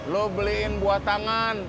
lo beliin buah tangan